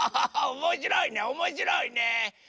おもしろいねおもしろいね！